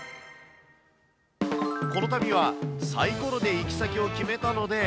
この旅はサイコロで行き先を決めたので。